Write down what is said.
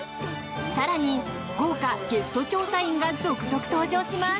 更に、豪華ゲスト調査員が続々登場します。